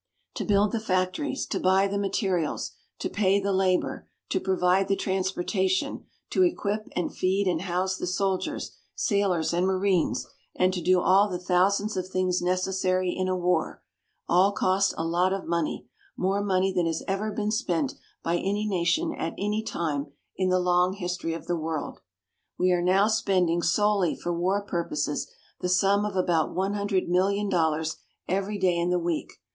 To build the factories, to buy the materials, to pay the labor, to provide the transportation, to equip and feed and house the soldiers, sailors and marines, and to do all the thousands of things necessary in a war all cost a lot of money, more money than has ever been spent by any nation at any time in the long history of the world. We are now spending, solely for war purposes, the sum of about one hundred million dollars every day in the week.